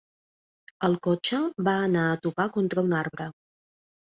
El cotxe va anar a topar contra un arbre.